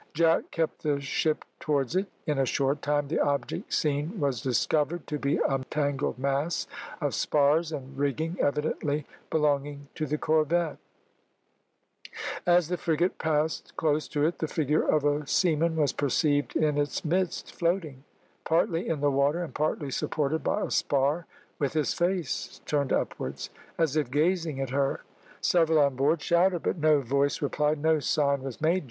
Jack kept the ship towards it. In a short time the object seen was discovered to be a tangled mass of spars and rigging, evidently belonging to the corvette. As the frigate passed close to it the figure of a seaman was perceived in its midst floating, partly in the water and partly supported by a spar, with his face turned upwards, as if gazing at her. Several on board shouted, but no voice replied, no sign was made.